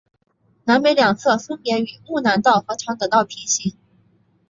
南北两侧分别与睦南道和常德道平行。